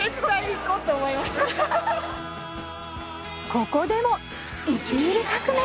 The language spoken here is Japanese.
ここでも１ミリ革命！